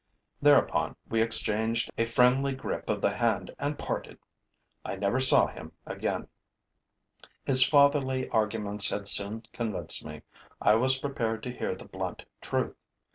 Thereupon we exchanged a friendly grip of the hand and parted. I never saw him again. His fatherly arguments had soon convinced me: I was prepared to hear the blunt truth.